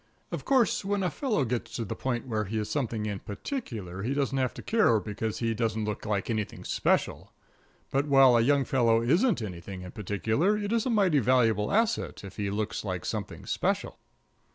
Of course, when a fellow gets to the point where he is something in particular, he doesn't have to care because he doesn't look like anything special; but while a young fellow isn't anything in particular, it is a mighty valuable asset if he looks like something special.